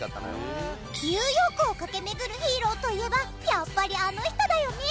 ニューヨークを駆け巡るヒーローといえばやっぱりあの人だよね。